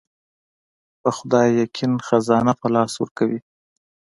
په خدای يقين خزانه په لاس ورکوي.